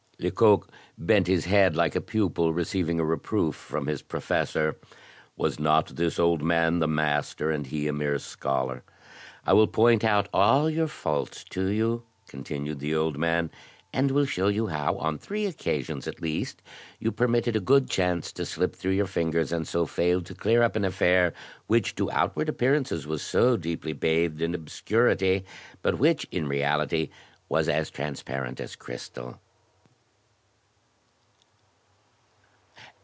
Lecoq bent his head like a pupil receiving a reproof from his professor. Was not this old man the master, and he a mere scholar? I will point out all your faults to you," continued the old man, and will show you how on three occasions, at least, you permitted a good chance to slip through your fingers, and so failed to clear up an affair which to outward appearances was so deeply bathed in obscurity, but which in reality was as transparent as crystal."